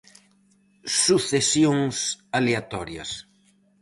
Sucesións aleatorias.